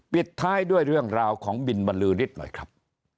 ปิดท้ายด้วยเรื่องราวของบินบรรลือฤทธิ์หน่อยครับ